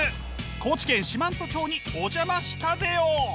高知県四万十町にお邪魔したぜよ！